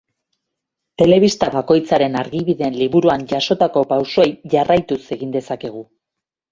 Telebista bakoitzaren argibideen liburuan jasotako pausoei jarraituz egin dezakegu.